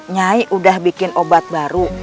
nyi nyi udah bikin obat baru